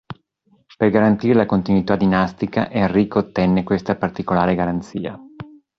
Per garantire la continuità dinastica Enrico ottenne questa particolare garanzia.